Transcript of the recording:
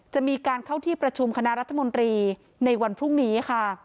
จะมีการเข้าที่ประชุมคณะรัฐมนตรีในวันพรุ่งนี้ค่ะ